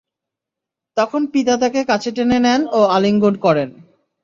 তখন পিতা তাকে কাছে টেনে নেন ও আলিঙ্গন করেন।